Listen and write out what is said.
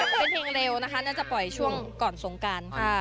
เป็นเพลงเร็วนะคะน่าจะปล่อยช่วงก่อนสงการค่ะ